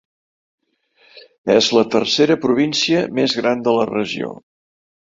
És la tercera província més gran de la regió.